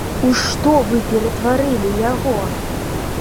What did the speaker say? У што вы ператварылі яго?!